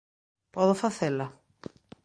¿Podo facela?